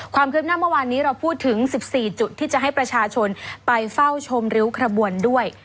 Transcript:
ความคืบหน้าเมื่อวานนี้เราพูดถึง๑๔จุดที่จะให้ประชาชนไปเฝ้าชมริ้วขบวนด้วย